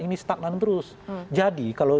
ini stagnan terus jadi kalau